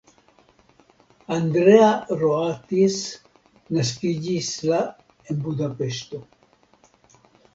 Andrea Roatis naskiĝis la en Budapeŝto.